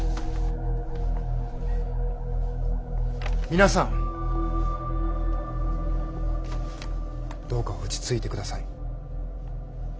皆さんどうか落ち着いてください。